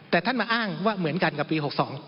แต่ท่านมาอ้างว่าเหมือนกันกับปี๖๒